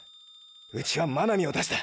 ウチは真波を出した！！